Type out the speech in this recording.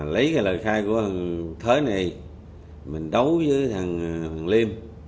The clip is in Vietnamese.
lấy cái lời khai của thầy này mình đấu với thằng liêm